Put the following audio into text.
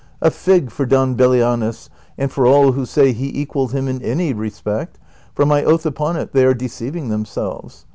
A fig for Don Belianis, and for all who say he equalled him in any respect, for, my oath upon it, they are de ceiving themselves